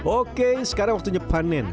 oke sekarang waktunya panen